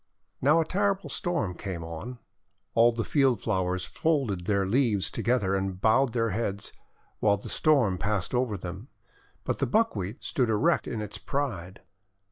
Now a terrible Storm came on. All the field flowers folded their leaves together, and bowed their heads, while the Storm passed over them. But the Buckwheat stood erect in its pride.